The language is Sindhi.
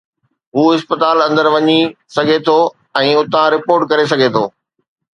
هو اسپتال اندر وڃي سگهي ٿو ۽ اتان رپورٽ ڪري سگهي ٿو.